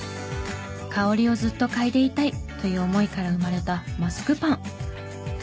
香りをずっと嗅いでいたいという思いから生まれたマスクパン。